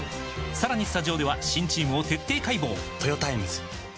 さらにスタジオでは新チームを徹底解剖！